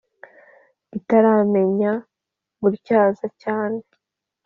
itaramenya gutyaza cyane